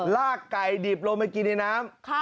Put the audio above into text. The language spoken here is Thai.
ลากไก่ดิบลงไปกินในน้ำ